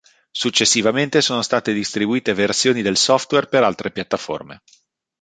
Successivamente sono state distribuite versioni del software per altre piattaforme.